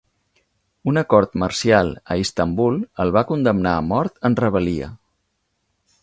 Una cort marcial a Istanbul el va condemnar a mort en rebel·lia.